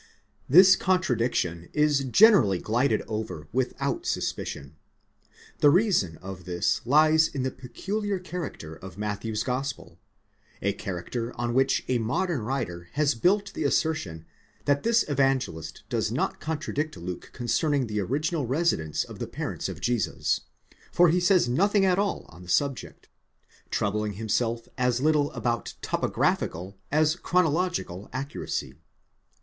This contradiction is generally glided over without suspicion. 'The reason of this lies in the peculiar character of Matthew's Gospel, a character on which a modern writer has built the assertion that this Evangelist does not contradict Luke concerning the original residence of the parents of Jesus, for he says nothing at all on the subject, troubling himself as little about topo graphical as chronological accuracy.